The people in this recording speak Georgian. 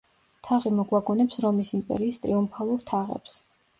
თაღი მოგვაგონებს რომის იმპერიის ტრიუმფალურ თაღებს.